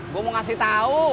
gue mau ngasih tau